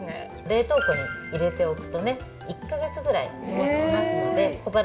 冷凍庫に入れておくと１カ月ぐらい日もちしますので小腹